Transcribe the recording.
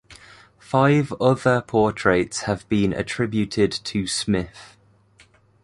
Five other portraits have been attributed to Smith.